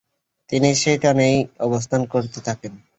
তিনি সেখানেই অবস্থান করতে থাকেন।